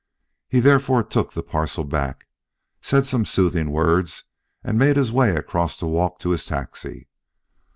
He therefore took the parcel back, said some soothing words and made his way across the walk to his taxi.